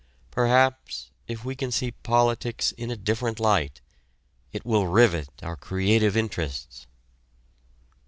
Perhaps if we can see politics in a different light, it will rivet our creative interests.